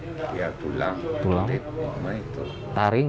bagaimana rasanya kondisi tersebut berhadapan dengan pandemi ihnen karena